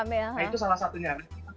nah itu salah satunya